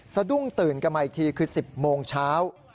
สะดุ้งตื่นกันมาอีกทีคือ๑๐โมงเช้า